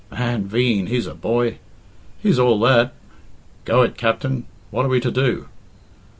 "Man veen, he's a boy!" "He's all that" "Go it, Capt'n. What are we to do?"